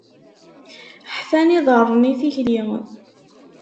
Ḥfan iḍarren i tikli.